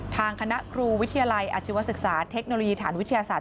ทางคณะครูวิทยาลัยอาชีวศึกษาเทคโนโลยีฐานวิทยาศาสต